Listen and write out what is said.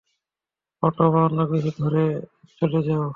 Auto বা অন্যকিছু ধরে চলে যাও।